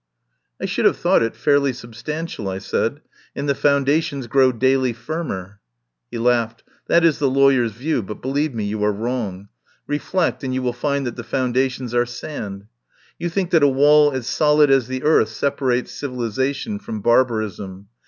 "I should have thought it fairly substan tial," I said, "and the foundations grow daily firmer." He laughed. "That is the lawyer's view, but believe me you are wrong. Reflect, and you will find that the foundations are sand. You think that a wall as solid as the earth separates civilisation from barbarism.